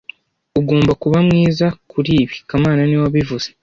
Ugomba kuba mwiza kuri ibi kamana niwe wabivuze